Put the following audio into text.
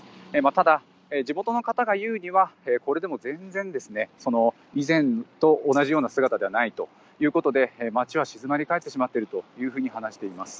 ただ地元の方が言うにはこれでも全然、以前と同じような姿ではないということで街は静まり返ってしまっていると話しています。